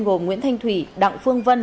gồm nguyễn thanh thủy đặng phương vân